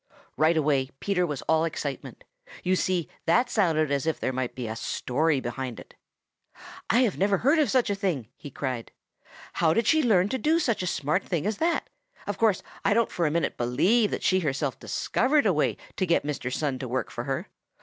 Right away Peter was all excitement. You see, that sounded as if there might be a story behind it. "I never have heard of such a thing!" he cried. "How did she learn to do such a smart thing as that? Of course I don't for a minute believe that she herself discovered a way to get Mr. Sun to work for her.